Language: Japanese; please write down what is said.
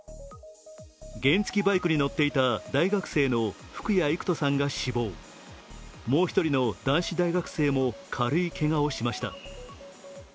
原付バイクに乗っていた大学生の福谷郁登さんが死亡、もう１人の男子大学生も軽いけがをしました。